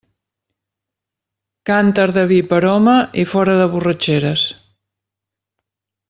Cànter de vi per home i fora de borratxeres.